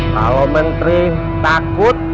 kalau menteri takut